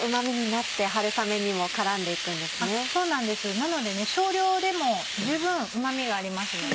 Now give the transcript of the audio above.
なのでね少量でも十分うま味がありますので。